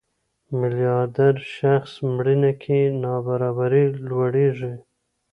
میلیاردر شخص مړینه کې نابرابري لوړېږي.